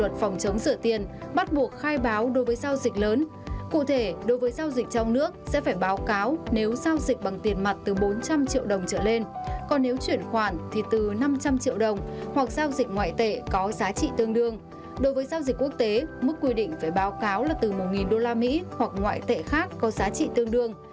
đối với giao dịch quốc tế mức quy định phải báo cáo là từ một usd hoặc ngoại tệ khác có giá trị tương đương